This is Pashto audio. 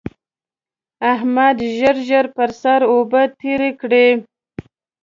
احمد ژر ژر پر سر اوبه تېرې کړې.